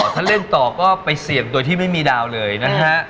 ถ้าเล่นต่อก็ไปเสี่ยงโดยที่ไม่มีดาวเลยนะฮะ